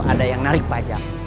ada yang narik pajak